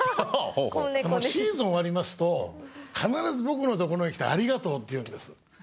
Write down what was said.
シーズン終わりますと必ず僕のところに来て「ありがとう」って言うんです。